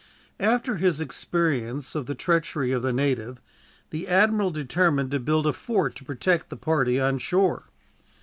After his experience of the treachery of the native, the admiral determined to build a fort to protect the party on shore.